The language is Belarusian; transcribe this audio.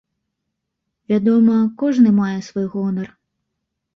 Вядома, кожны мае свой гонар.